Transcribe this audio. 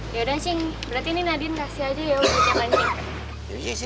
yaudah sing berarti ini nadin kasih aja ya untuk siapa siapa